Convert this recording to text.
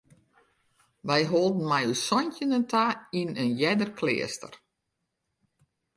Wy holden mei ús santjinnen ta yn in earder kleaster.